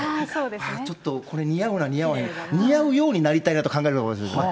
ああ、ちょっとこれ、似合うな、似合わへん、似合うようになりたいなと考えるかもしれないですね。